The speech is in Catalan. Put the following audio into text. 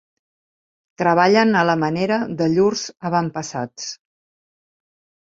Treballen a la manera de llurs avantpassats.